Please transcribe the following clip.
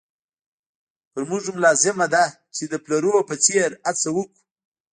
پر موږ هم لازمه ده چې د پلرونو په څېر هڅه وکړو.